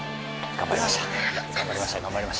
頑張りました